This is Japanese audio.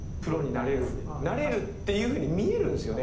なれるっていうふうに見えるんですよね